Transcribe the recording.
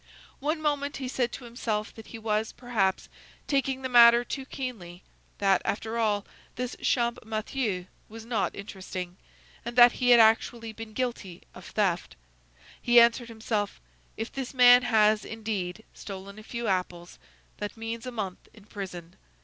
One moment he said to himself that he was, perhaps, taking the matter too keenly; that, after all, this Champmathieu was not interesting, and that he had actually been guilty of theft. He answered himself: "If this man has, indeed, stolen a few apples, that means a month in prison.